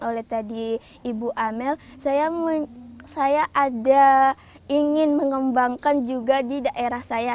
oleh tadi ibu amel saya ada ingin mengembangkan juga di daerah saya